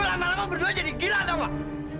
lo lama lama berdua jadi gila tau gak